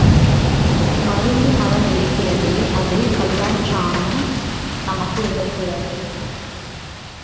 மருந்து மரம் இருக்கிறதே அது பல்லாற்றானும் நமக்கு உதவுகிறது.